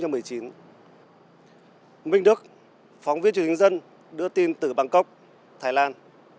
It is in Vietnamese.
minh đức phóng viên truyền hình dân đưa tin từ bangkok thái lan